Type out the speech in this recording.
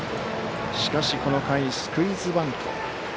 しかし、この回スクイズバント。